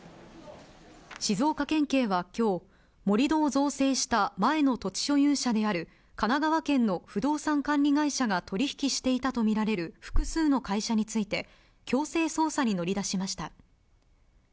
静岡県警はきょう、盛り土を造成した前の土地所有者である、神奈川県の不動産管理会社が取り引きしていたと見られる複数の会社について、強制捜査に乗り出しました。